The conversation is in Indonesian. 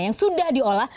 yang sudah diolah